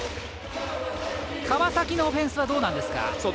川崎のオフェンスはどうなんですか？